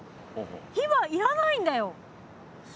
火はいらないんだよ！